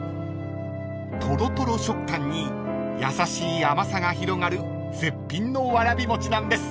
［トロトロ食感に優しい甘さが広がる絶品のわらび餅なんです］